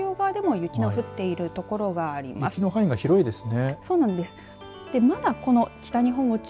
雪の範囲が広いですね。